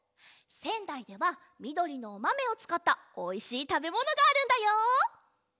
せんだいではみどりのおまめをつかったおいしいたべものがあるんだよ！